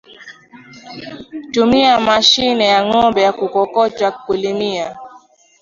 Tumia mashine ya ngOmbe ya kukokotwa kulimia